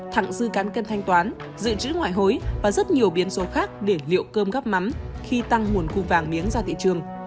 thẳng dư cán cân thanh toán dự trữ ngoại hối và rất nhiều biến số khác để liệu cơm góc mắm khi tăng nguồn cung vàng miếng ra thị trường